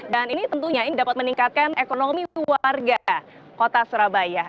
dan ini tentunya dapat meningkatkan ekonomi warga kota surabaya